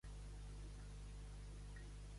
Tenir set pams a Son Tril·lo.